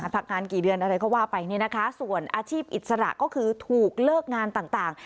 พักงานกี่เดือนอะไรก็ว่าไปเนี่ยนะคะส่วนอาชีพอิสระก็คือถูกเลิกงานต่าง